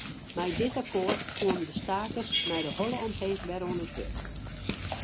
Mei dit akkoart koenen de stakers mei de holle omheech wer oan it wurk.